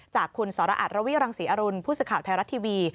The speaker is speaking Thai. จากคุณสรอัตรวิรังศรีอรุณผู้สื่อข่าวไทยรัฐทีวี